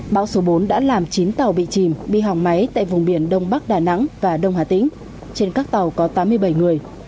bão số bốn đã làm chín tàu bị chìm đi hỏng máy tại vùng biển đông bắc đà nẵng và đông hà tĩnh trên các tàu có tám mươi bảy người